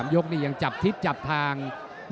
ยกนี้ยังจับทิศจับทางไม่ได้นะครับ